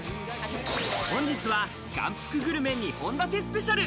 本日は眼福グルメ２本立てスペシャル。